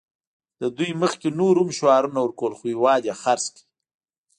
له دوی مخکې نورو هم شعارونه ورکول خو هېواد یې خرڅ کړ